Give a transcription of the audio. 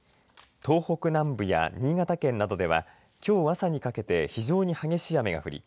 東北南部や新潟県などではきょう朝にかけて非常に激しい雨が降り